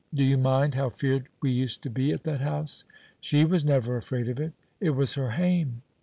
Do you mind how feared we used to be at that house?" "She was never afraid of it." "It was her hame."